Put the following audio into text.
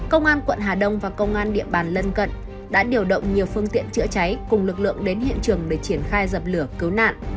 công an quận hà đông và công an địa bàn lân cận đã điều động nhiều phương tiện chữa cháy cùng lực lượng đến hiện trường để triển khai dập lửa cứu nạn